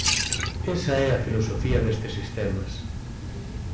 Esa é a filosofía destes sistemas.